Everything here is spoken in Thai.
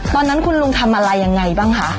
ปอนั้นคุณลูงทำอะไรอย่างไรบ้างคะ